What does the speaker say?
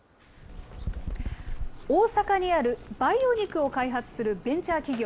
大阪にある培養肉を開発するベンチャー企業。